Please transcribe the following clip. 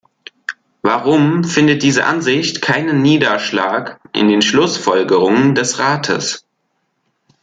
Warum findet diese Ansicht keinen Niederschlag in den Schlussfolgerungen des Rates?